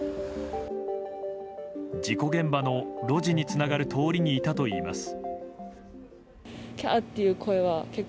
事故現場の路地につながる通りにいたといいます。